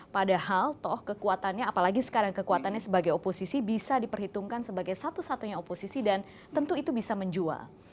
padahal toh kekuatannya apalagi sekarang kekuatannya sebagai oposisi bisa diperhitungkan sebagai satu satunya oposisi dan tentu itu bisa menjual